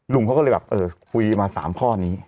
เขาก็เลยแบบเออคุยมา๓ข้อนี้